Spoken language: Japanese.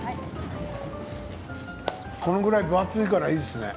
これぐらい分厚いからいいですね。